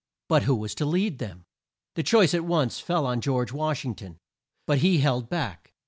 But who was to lead them? The choice at once fell on George Wash ing ton, but he held back.